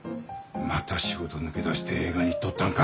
また仕事抜け出して映画に行っとったんか。